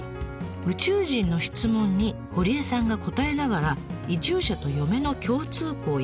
宇宙人の質問に堀江さんが答えながら移住者と嫁の共通項や違いを説明。